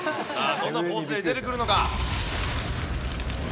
どんなポーズで出てくるのか。